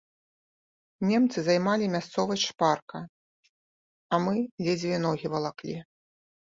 Немцы займалі мясцовасць шпарка, а мы ледзьве ногі валаклі.